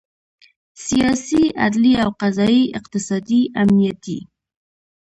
سیاسي، عدلي او قضایي، اقتصادي، امنیتي